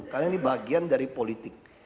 karena ini bagian dari politik